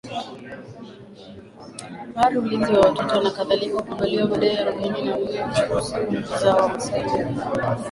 mahari ulinzi wa watoto nakadhalika hukubaliwa baadaye arobaini na nne Arusi za Wamasai ni